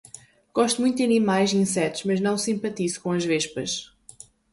Gosto muito de animais e insetos, mas não simpatizo com as vespas.